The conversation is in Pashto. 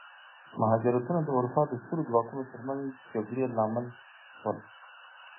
مهاجرتونه د اروپا د سترو ځواکونو ترمنځ جګړې لامل شول.